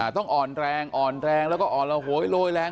ต้องอ่อนแรงอ่อนแรงแล้วก็อ่อนระโหยโรยแรง